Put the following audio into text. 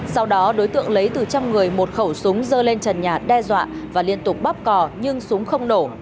sau đó đối tượng lấy từ trong người một khẩu súng dơ lên trần nhà đe dọa và liên tục bắp cò nhưng súng không nổ